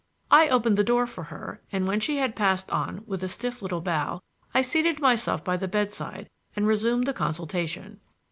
I opened the door for her, and when she had passed out with a stiff little bow I seated myself by the bedside and resumed the consultation.